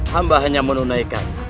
hamba hanya menunaikan